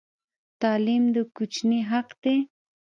تعلیم د کوچني حق دی.